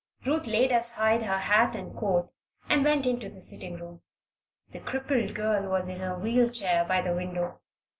Ruth laid aside her hat and coat and went into the sitting room. The crippled girl was in her wheel chair by the window.